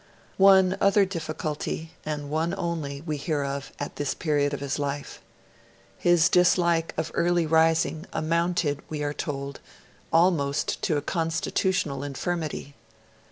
One other difficulty, and one only, we hear of at this point in his life. His dislike of early rising amounted, we are told, 'almost to a constitutional infirmity'.